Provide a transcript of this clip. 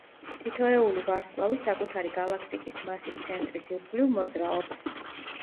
თითოეული ვარსკვლავი საკუთარი გალაქტიკის მასის ცენტრის ირგვლის მოძრაობს.